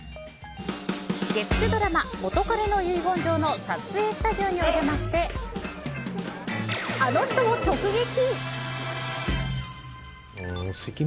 月９ドラマ「元彼の遺言状」の撮影スタジオにお邪魔してあの人を直撃！